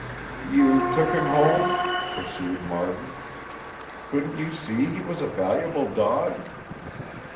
"You took him home?" pursued Marden. "Couldn't you see he was a valuable dog?"